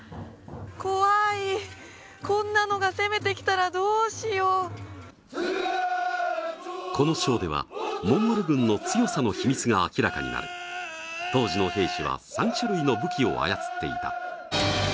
怖いこんなのが攻めてきたらどうしようこのショーではモンゴル軍の強さの秘密が明らかになる当時の兵士は３種類の武器を操っていた